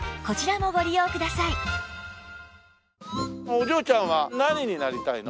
お嬢ちゃんは何になりたいの？